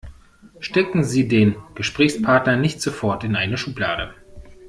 Stecken Sie den Gesprächspartner nicht sofort in eine Schublade.